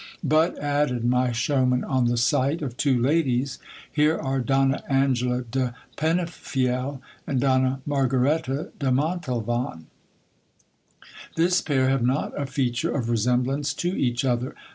But, added my showman on the sight of two ladies, here are Donna Angela de Penafiel and Donna Margaretta de Montalvam This pair have not a feature of resemblance to each other.